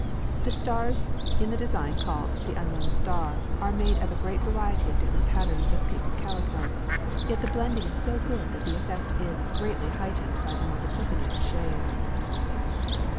The stars in the design called "The Unknown Star" are made of a great variety of different patterns of pink calico, yet the blending is so good that the effect is greatly heightened by the multiplicity of shades.